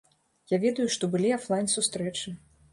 Я ведаю, што былі афлайн-сустрэчы.